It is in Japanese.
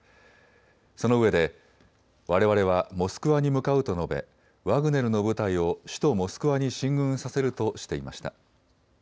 そのうえでわれわれはモスクワに向かうと述べ、ワグネルの部隊を首都モスクワに進軍させるとしていました。